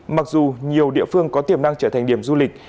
mặc dù nhiều địa phương có tiềm năng trở thành điểm du lịch